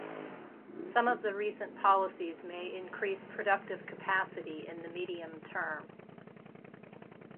Some of the recent policies may increase productive capacity in the medium term